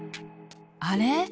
あれ？